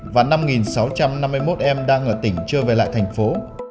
và năm sáu trăm năm mươi một em đang ở tỉnh chưa về lại thành phố